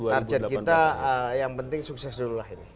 target kita yang penting sukses dulu lah ini